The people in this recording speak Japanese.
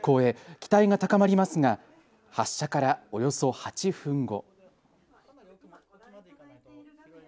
期待が高まりますが発射からおよそ８分後。